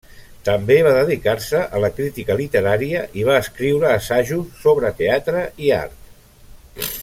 També va dedicar-se a la crítica literària i va escriure assajos sobre teatre i art.